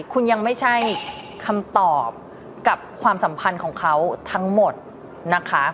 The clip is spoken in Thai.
คุณยังไม่ใช่คำตอบกับความสัมพันธ์ของเขาทั้งหมดนะคะ